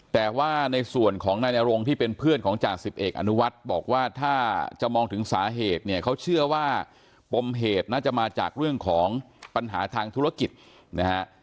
แต่ว่าในส่วนของนายนรงที่เป็นเพื่อนของจ่าสิบเอกอนุวัฒน์บอกว่าถ้าจะมองถึงสาเหตุเนี่ยเขาเชื่อว่าปมเหตุน่าจะมาจากเรื่องของปัญหาทางธุรกิจนะฮะ